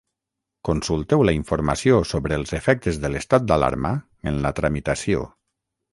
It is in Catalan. Consulteu la informació sobre els efectes de l'estat d'alarma en la tramitació.